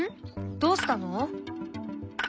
どうしたの？